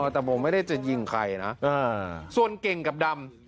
แต่โมไม่ได้จะยิงใครนะส่วนเก่งกับดำ